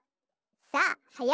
さあはや